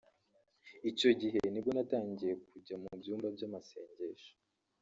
Icyo gihe nibwo natangiye kujya mu byumba by’amasengesho